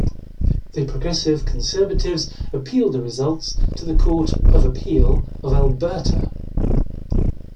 The Progressive Conservatives appealed the results to the Court of Appeal of Alberta.